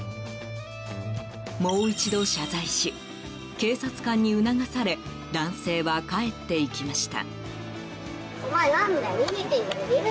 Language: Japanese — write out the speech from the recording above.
もう一度謝罪し、警察官に促され男性は帰っていきました。